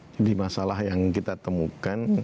jadi masalah yang kita temukan